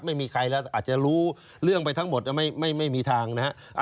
ไม่มีใครแล้วอาจจะรู้เรื่องไปทั้งหมดไม่มีทางนะฮะ